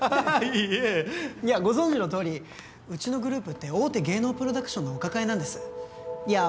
いいえいやご存じのとおりうちのグループって大手芸能プロダクションのお抱えなんですいや